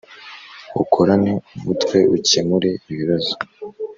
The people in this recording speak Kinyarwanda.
Ukorane umwete ukemure ibibazo